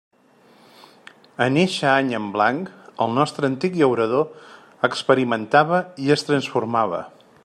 En eixe any en blanc el nostre antic llaurador experimentava i es transformava.